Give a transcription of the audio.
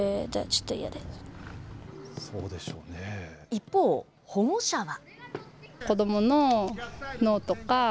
一方、保護者は。